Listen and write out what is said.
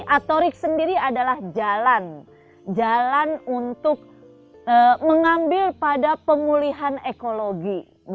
atorik sendiri adalah jalan jalan untuk mengambil pada pemulihan ekologi